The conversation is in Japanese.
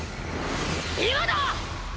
今だ！！